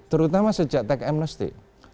terutama sejak tech amnesty